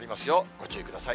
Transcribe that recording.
ご注意ください。